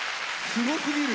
すごすぎる！